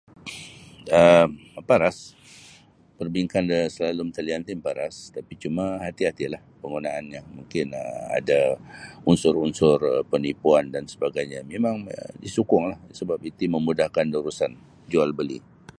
um Maparas perbankan dansalalum talian ti maparas tapi cuma hati-hatilah panggunaanyo mungkin ada unsur-unsur penipuan dan sebagainya mimang isukung lah sabab iti mamudahkan da urusan jual beli.